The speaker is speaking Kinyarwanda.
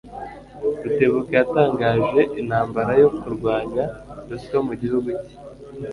Rutebuka yatangaje intambara yo kurwanya ruswa mu gihugu cye.